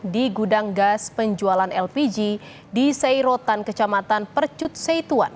di gudang gas penjualan lpg di seirotan kecamatan percut seituan